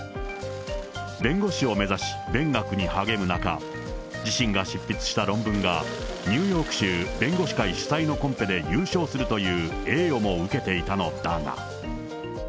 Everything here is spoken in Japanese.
弁護士を目指し、勉学に励む中、自身が執筆した論文がニューヨーク州弁護士会主催のコンペで優勝するという栄誉も受けていたのだが。